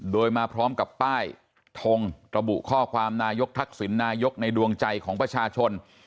โดยมาพร้อมกับป้ายทงระบุข้อความนายกทักษิณนายกในดวงใจของประชาชน